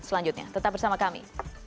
selanjutnya tetap bersama kami